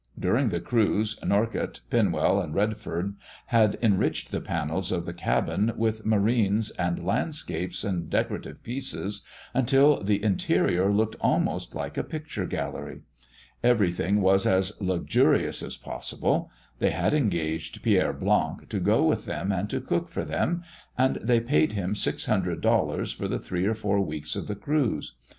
During the cruise, Norcott, Pinwell, and Redfern had enriched the panels of the cabin with marines and landscapes and decorative pieces until the interior looked almost like a picture gallery. Everything was as luxurious as possible. They had engaged Pierre Blanc to go with them and to cook for them, and they paid him six hundred dollars for the three or four weeks of the cruise.